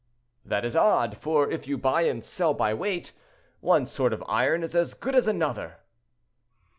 "That is odd, for if you buy and sell by weight, one sort of iron is as good as another."